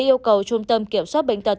yêu cầu trung tâm kiểm soát bệnh tật